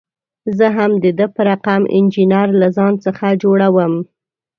زه هم د ده په رقم انجینر له ځان څخه جوړوم.